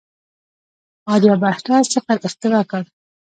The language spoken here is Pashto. آریابهټا صفر اختراع کړ.